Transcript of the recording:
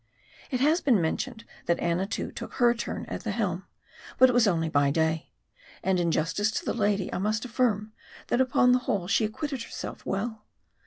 It has been mentioned, that Annatoo took her turn at the helm ; but it was only by day. And in justice to the lady, I must affirm, that upon the whole she acquitted her self well.